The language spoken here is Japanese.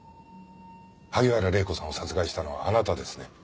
萩原礼子さんを殺害したのはあなたですね？